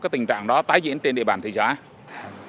tình trạng đó tái diễn trên địa bàn thị xã